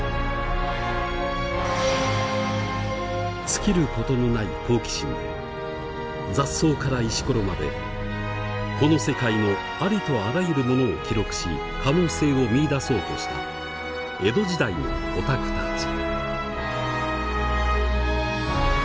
尽きることのない好奇心で雑草から石ころまでこの世界のありとあらゆるものを記録し可能性を見いだそうとした江戸時代のオタクたち。